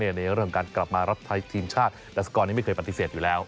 ในเรื่องการกลับมารับใช้ทีมชาติแต่สกรนี้ไม่เคยปฏิเสธอยู่แล้ว